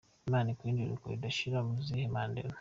Imana imuhe iruhuko ridashira Muzehe Mandela.